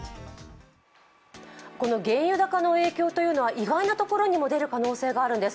この原油高の影響というのは意外なところにも出る可能性があるんです。